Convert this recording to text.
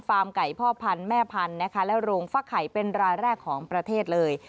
ฟาร์มไก่พ่อพันธุ์แม่พันธุ์และโรงฝักข่ายเป็นร้านแรกของประเทศเลย